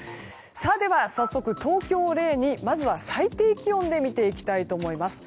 では早速、東京を例にまずは最低気温で見ていきたいと思います。